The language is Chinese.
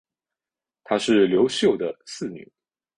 她是刘秀的四女。